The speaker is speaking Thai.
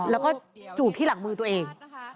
แล้วก็จูบที่หลังมือตัวเอง